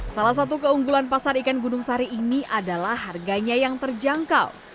salah satu keunggulan pasar ikan gunung sari ini adalah harganya yang terjangkau